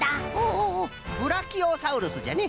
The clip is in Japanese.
ほうブラキオサウルスじゃね。